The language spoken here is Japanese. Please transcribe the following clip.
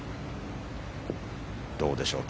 どうでしょう